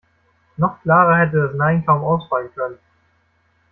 Noch klarer hätte das Nein kaum ausfallen können.